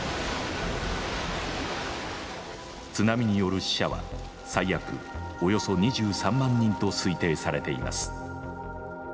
津波による死者は最悪およそ２３万人と推定されています。